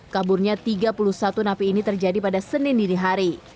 kaburnya tiga puluh satu napi ini terjadi pada senin dinihari